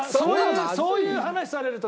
そういう話されると。